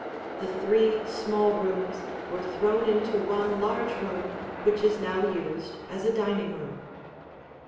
The three small rooms were thrown into one large room which is now used as a dining room.